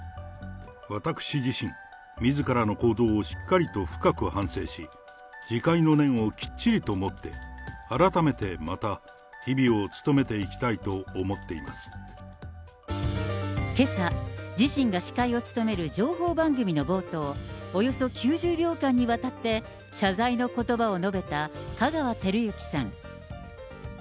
私自身、みずからの行動をしっかりと深く反省し、自戒の念をきっちりと持って、改めてまた日々を務めていきたいとけさ、自身が司会を務める情報番組の冒頭、およそ９０秒間にわたって謝罪のことばを述べた香川照之さん。